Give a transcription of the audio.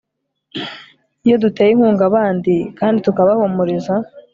iyo duteye inkunga abandi kandi tukabahumuriza